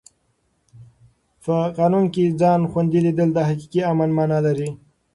په قانون کې ځان خوندي لیدل د حقیقي امن مانا لري.